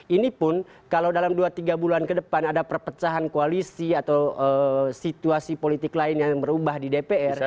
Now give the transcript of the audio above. ini pun kalau dalam dua tiga bulan ke depan ada perpecahan koalisi atau situasi politik lain yang berubah di dpr